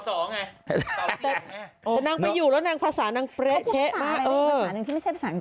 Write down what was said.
แต่นางไปอยู่แล้วนางภาษานางเป๊ะเช๊ะมาก